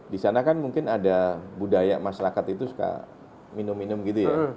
di sana kan mungkin ada budaya masyarakat itu suka minum minum gitu ya